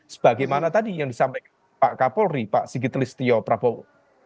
sebagaimana tadi yang disampaikan pak kapolri pak sigit listio prabowo